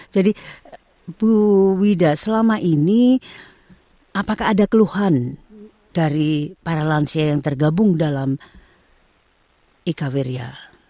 jadi bu wida selama ini apakah ada keluhan dari para lansia yang tergabung dalam ikaweria